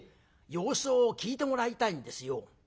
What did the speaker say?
様子を聞いてもらいたいんですよ」。